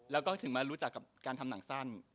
แล้วก็ถึงมารู้จักกับการทำหนังสั้น